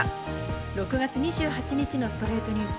６月２８日の『ストレイトニュース』。